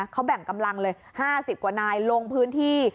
เขาแบ่งกำลังเลย๕๐กว่านายลงพื้นที่